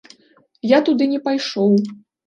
Я туды не пайшоў.